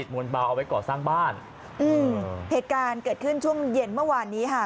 มวลเบาเอาไว้ก่อสร้างบ้านอืมเหตุการณ์เกิดขึ้นช่วงเย็นเมื่อวานนี้ค่ะ